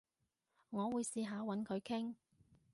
我會試下搵佢傾